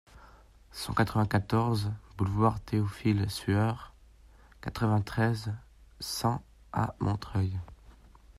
cent quatre-vingt-quatorze boulevard Théophile Sueur, quatre-vingt-treize, cent à Montreuil